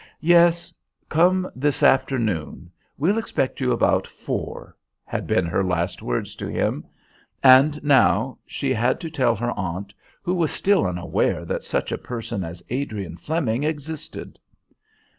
"Yes, come this afternoon. We'll expect you about four" had been her last words to him. And, now, she had to tell her aunt, who was still unaware that such a person as Adrian Flemming existed.